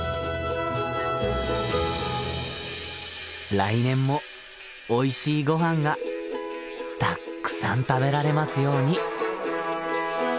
来年もおいしいごはんがたっくさん食べられますように！